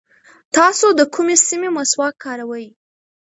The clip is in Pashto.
تاسو د کومې سیمې مسواک کاروئ؟